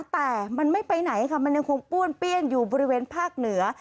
แต่มันไม่ไปไหนค่ะมันยังคงป้วนเปี้ยนอยู่บริเวณภาคเหนือ